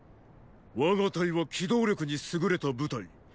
我が隊は機動力に優れた部隊。